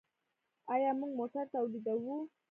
آیا موږ موټر تولیدوو؟